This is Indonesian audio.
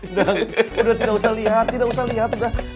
udah tidak usah liat tidak usah liat udah